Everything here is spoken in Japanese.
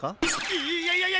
いいいやいやいや！